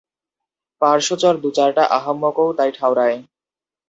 পার্শ্বচর দু-চারটা আহাম্মকও তাই ঠাওরায়।